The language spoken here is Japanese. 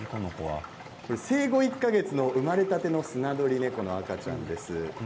生後１か月の生まれたてのスナドリネコの赤ちゃんです。